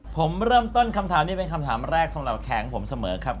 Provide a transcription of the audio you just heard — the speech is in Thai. ผมเริ่มต้นคำถามนี้เป็นคำถามแรกสำหรับแขนผมเสมอครับ